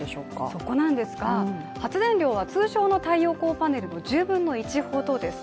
そこなんですが、発電量は通常の太陽光パネルの１０分の１ほどです。